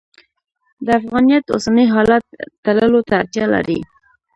د افغانیت اوسني حالت تللو ته اړتیا لري.